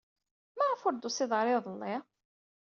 Maɣef ur d-tusid ara iḍelli?